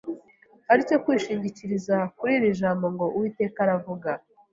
ari cyo kwishingikiriza kuri iri jambo ngo“Uwiteka aravuga